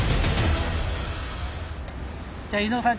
じゃあ伊野尾さん